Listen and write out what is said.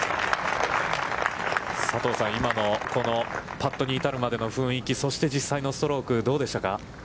佐藤さん、今のこのパットに至るまでの雰囲気、そして実際のストローク、どうでしたか。